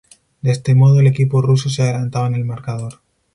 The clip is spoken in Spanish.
De este modo el equipo ruso se adelantaba en el marcador.